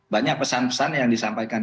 banyak pesan pesan yang disampaikan